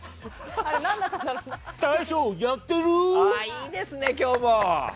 いいですね今日も！